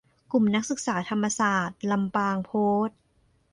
กลุ่มนักศึกษาธรรมศาสตร์ ลำปาง โพสต์